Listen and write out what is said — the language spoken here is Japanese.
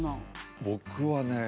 僕はね